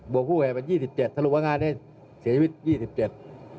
บวกผู้เห็นว่า๒๗ถ้ารู้ว่างานนี้เสียชีวิต๒๗